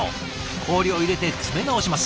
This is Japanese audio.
氷を入れて詰め直します。